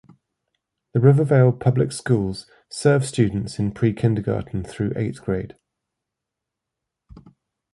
The River Vale Public Schools serve students in pre-kindergarten through eighth grade.